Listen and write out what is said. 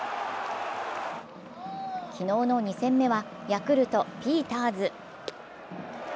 昨日の２戦目はヤクルト・ピーターズ。